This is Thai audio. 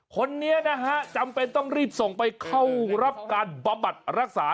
คนนี้นะฮะจำเป็นต้องรีบส่งไปเข้ารับการบำบัดรักษา